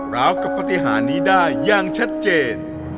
เหลาให้กับเฝ้าที่หานี่ได้อย่างชัดเจน